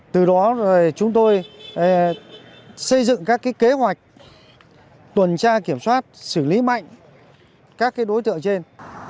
từ đó chúng tôi xây dựng các kế hoạch tuần tra kiểm soát xử lý mạnh các đối tượng trên